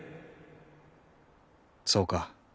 そうか。